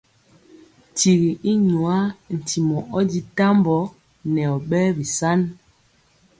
Tigi i nwaa ntimɔ ɔ di tambɔ nɛ ɔ ɓɛɛ bisan.